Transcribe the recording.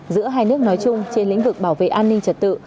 giữa hai nước nói chung trên lĩnh vực bảo vệ an ninh trật tự